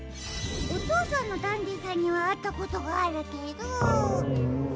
おとうさんのダンディさんにはあったことがあるけど。